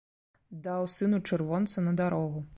Даў сыну чырвонца на дарогу.